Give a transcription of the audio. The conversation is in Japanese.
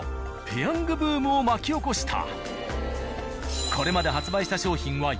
ペヤングブームを巻き起こした。